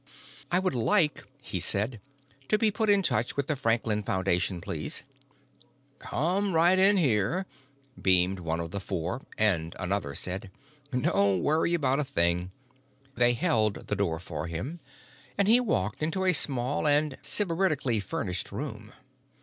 "I would like," he said, "to be put in touch with the Franklin Foundation, please." "Come right in here," beamed one of the four, and another said: "Don't worry about a thing." They held the door for him, and he walked into a small and sybaritically furnished room.